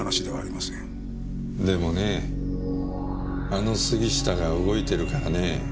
でもねあの杉下が動いてるからねぇ。